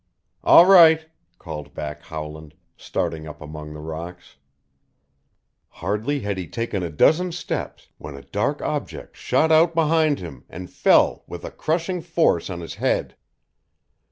"All right!" called back Howland, starting up among the rocks. Hardly had he taken a dozen steps when a dark object shot out behind him and, fell with crushing force on his head.